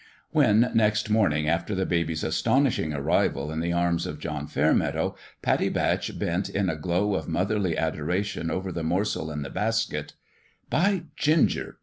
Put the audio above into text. When, next morning after the baby's astonish ing arrival in the arms of John Fairmeadow, 170 A FATHER for The BABY Pattie Batch bent in a glow of motherly adora tion over the morsel in the basket "By ginger!"